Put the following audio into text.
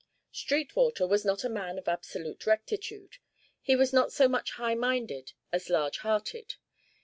Sweetwater was not a man of absolute rectitude. He was not so much high minded as large hearted.